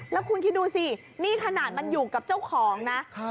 แล้วคุณคิดดูสินี่ขนาดมันอยู่กับเจ้าของนะ